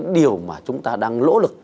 điều mà chúng ta đang lỗ lực